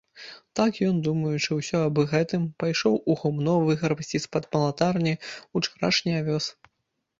Так ён, думаючы ўсё аб гэтым, пайшоў у гумно выграбці з-пад малатарні ўчарашні авёс.